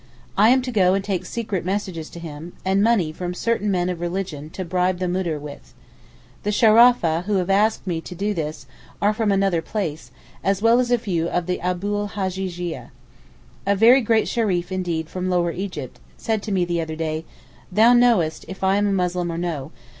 I am to go and take secret messages to him, and money from certain men of religion to bribe the Moudir with. The Shurafa who have asked me to do this are from another place, as well as a few of the Abu l Hajjajieh. A very great Shereef indeed from lower Egypt, said to me the other day, 'Thou knowest if I am a Muslim or no.